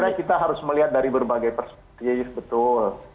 saya kira kita harus melihat dari berbagai perspektif betul